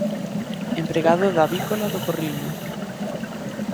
Empregado da Avícola do Porriño.